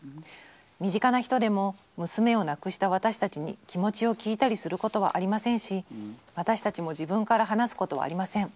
身近な人でも娘を亡くした私たちに気持ちを聞いたりすることはありませんし私たちも自分から話すことはありません。